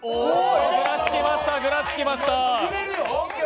ぐらつきました、ぐらつきました。